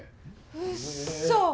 うっそ。